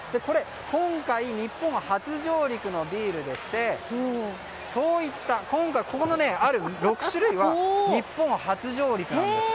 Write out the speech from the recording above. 今回、日本初上陸のビールでしてこの６種類は日本初上陸なんです。